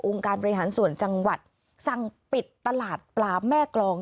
การบริหารส่วนจังหวัดสั่งปิดตลาดปลาแม่กรอง